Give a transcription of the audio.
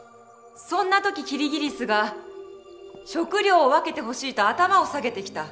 そんな時キリギリスが「食料を分けてほしい」と頭を下げてきた。